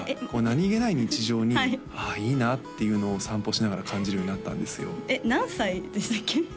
何気ない日常に「ああいいな」っていうのを散歩しながら感じるようになったんですよえっ何歳でしたっけ？